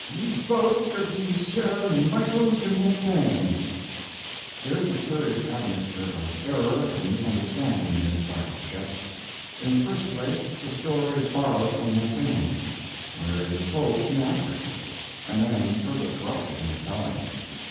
"YE BOKE OF YE SIEUR MICHAEL DE MONTAINE" There is a curious admixture of error and misunderstanding in this part of the sketch. In the first place, the story is borrowed from Montaigne, where it is told inaccurately, and then further corrupted in the telling.